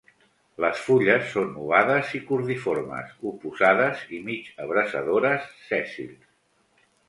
Les fulles són ovades i cordiformes, oposades i mig abraçadores, sèssils.